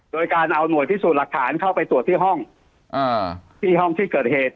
โดยการเอาหน่วยพิสูจน์หลักฐานเข้าไปตรวจที่ห้องที่ห้องที่เกิดเหตุ